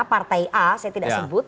partai a saya tidak sebut